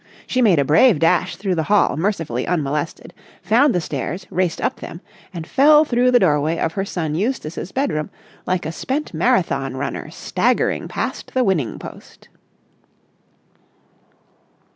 She made a brave dash through the hall mercifully unmolested; found the stairs; raced up them; and fell through the doorway of her son Eustace's bedroom like a spent Marathon runner staggering past the winning post.